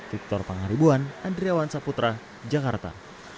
victor pangaribuan andriawan saputra jakarta